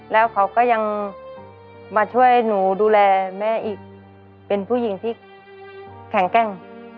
แล้วเขาก็ยังมาช่วยหนูดูแลแม่อีกเป็นผู้หญิงที่แข็งแกร่ง